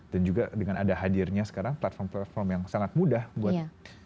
dan juga dengan ada hadirnya sekarang platform platform yang sangat mudah buat orang orang alam untuk menggunakan crypto